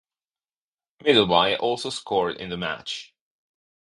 Middleby also scored in the match.